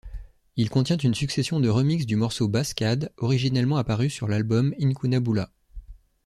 Il contient une succession de remixes du morceau Basscad originellement apparu sur l'album Incunabula.